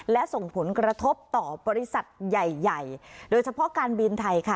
และส่งผลกระทบต่อบริษัทใหญ่ใหญ่โดยเฉพาะการบินไทยค่ะ